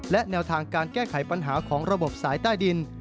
และแนวทางการแก้ไขปัญหาของระบบสายใต้ดิน